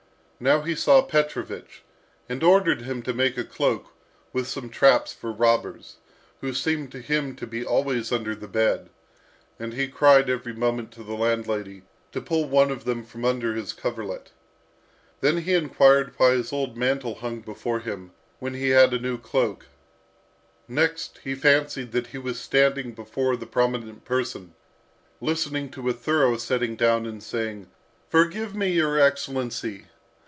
Now he saw Petrovich, and ordered him to make a cloak, with some traps for robbers, who seemed to him to be always under the bed; and he cried every moment to the landlady to pull one of them from under his coverlet. Then he inquired why his old mantle hung before him when he had a new cloak. Next he fancied that he was standing before the prominent person, listening to a thorough setting down and saying, "Forgive me, your excellency!"